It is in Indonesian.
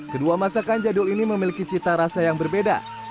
kedua masakan jadul ini memiliki cita rasa yang berbeda